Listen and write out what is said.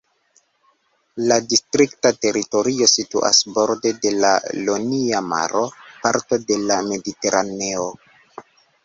La distrikta teritorio situas borde de la Ionia Maro, parto de la Mediteraneo.